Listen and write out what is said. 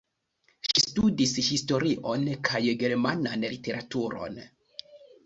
Ŝi studis historion kaj Germanan literaturon.